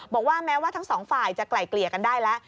บอกว่าแม้ว่าทั้งสองฝ่ายจะไกล่เกลี่ยกันได้แล้ว